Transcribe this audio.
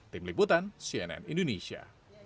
tim liputan cnn indonesia